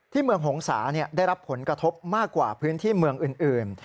ที่เมืองหงษาได้รับผลกระทบมากกว่าที่อื่น